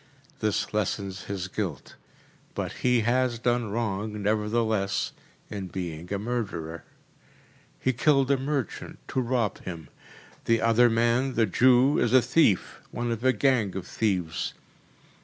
This lessens his guilt, but he has done wrong, nevertheless, in being a murderer. He killed a merchant, to rob him. The other man, the Jew, is a thief, one of a gang of thieves.